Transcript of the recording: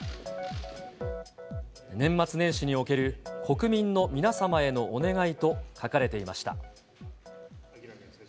年末年始における国民の皆様へのお願いと書かれていました。